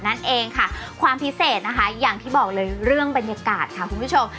นั่นเองค่ะความพิเศษนะคะอย่างที่บอกเลยเรื่องบรรยากาศค่ะคุณผู้ชม